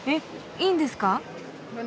いいんですか？